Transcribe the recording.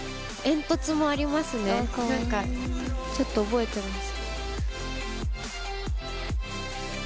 ちょっと覚えてます。